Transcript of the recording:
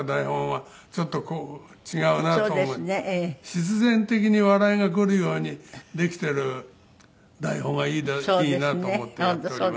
必然的に笑いが来るようにできている台本がいいなと思ってやっております。